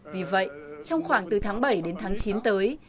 vì vậy trong khoảng từ tháng bảy đến tháng chín tới